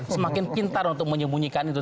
semakin pintar untuk menyembunyikan itu